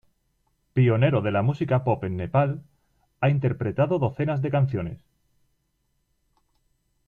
Pionero de la música pop en Nepal, ha interpretado docenas de canciones.